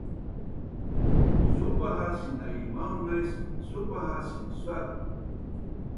supah a sina-imaun mais supah a sinsuaz